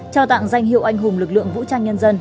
trao tặng danh hiệu anh hùng lực lượng vũ trang nhân dân